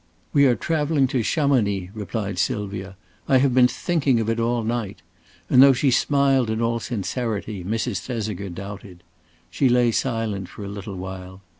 "We are traveling to Chamonix," replied Sylvia. "I have been thinking of it all night," and though she smiled in all sincerity, Mrs. Thesiger doubted. She lay silent for a little while.